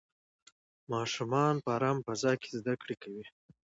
ماشومان په ارامه فضا کې زده کړې کوي.